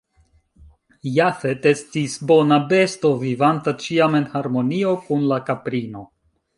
Jafet estis bona besto, vivanta ĉiam en harmonio kun la kaprino.